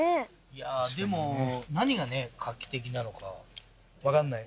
いやでも何がね画期的なのかわかんない？